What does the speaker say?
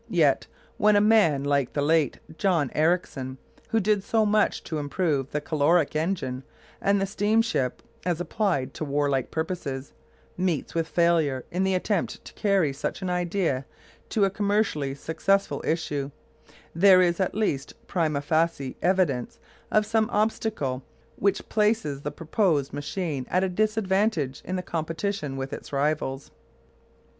Yet, when a man like the late John Ericsson, who did so much to improve the caloric engine, and the steam ship as applied to war like purposes, meets with failure in the attempt to carry such an idea to a commercially successful issue, there is at least prima facie evidence of some obstacle which places the proposed machine at a disadvantage in competition with its rivals.